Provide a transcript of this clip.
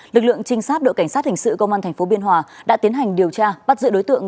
lực lượng trinh sát đội cảnh sát hình sự công an tp biên hòa đã tiến hành điều tra bắt giữ đối tượng